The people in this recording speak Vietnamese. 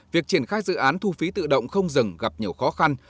việc triển khai dự án thu phí tự động không dừng gặp nhiều khó khăn